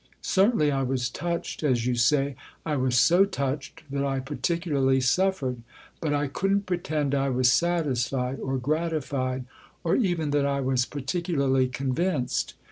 Certainly I was touched, as you say I was so touched that I particularly suffered. But I couldn't pretend I was satisfied or gratified, or even that I was particularly convinced.